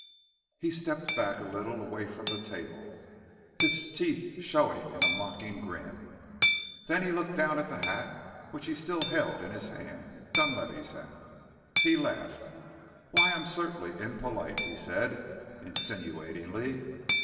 He stepped back a little, away from the table, his teeth showing in a mocking grin. Then he looked down at the hat which he still held in his hand Dunlavey's hat. He laughed. "Why, I'm cert'nly impolite!" he said insinuatingly.